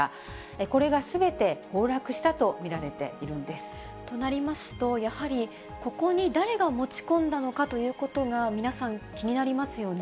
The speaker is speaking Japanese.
これがすべて崩落したと見られているんです。となりますと、やはりここに誰が持ち込んだのかということが、皆さん、気になりますよね。